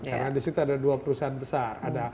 karena di situ ada dua perusahaan besar